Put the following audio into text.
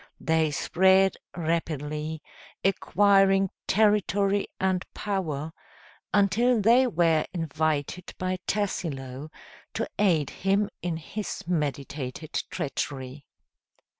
They spread rapidly, acquiring territory and power, until they were invited by Tassilo to aid him in his meditated treachery.